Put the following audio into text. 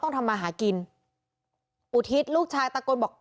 ทำมาหากินอุทิศลูกชายตะโกนบอก